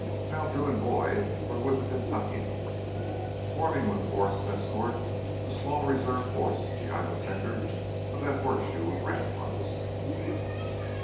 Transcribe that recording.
Now Drew and Boyd were with the Kentuckians, forming with Forrest's escort a small reserve force behind the center of that horseshoe of ramparts.